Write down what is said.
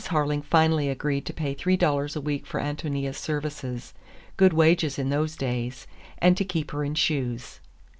Harling finally agreed to pay three dollars a week for Ántonia's services—good wages in those days—and to keep her in shoes.